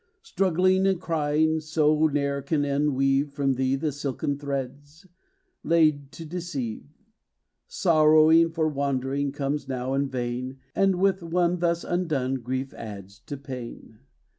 Struggling and crying so Ne'er can unweave From thee the silken threads, Laid to deceive. Sorrow for wandering Comes now in vain; And, with one thus undone, Grief adds to pain.